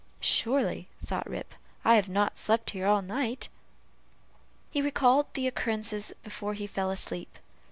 "Surely," thought Rip, "I have not slept here all night." He recalled the occurrences before he fell asleep.